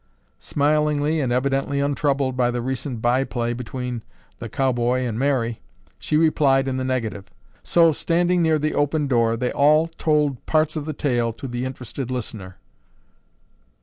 Smilingly, and evidently untroubled by the recent by play between the cowboy and Mary, she replied in the negative. So, standing near the open door, they all told parts of the tale to the interested listener.